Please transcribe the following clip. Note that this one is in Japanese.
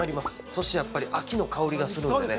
そしてやっぱり秋の香りがするんでね